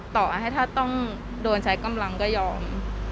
ต่อให้ถ้าต้องโดนใช้กำลังก็ยอม